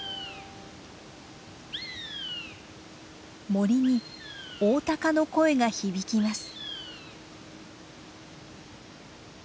森にオオタカの声が響きます。